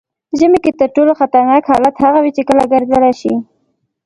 ژمي کې تر ټولو خطرناک حالت هغه وي چې کله ګردله شي.